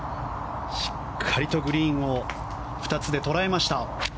しっかりとグリーンを２つで捉えました。